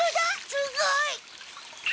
すごい！